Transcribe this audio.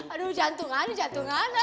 aduh jantungan jantungan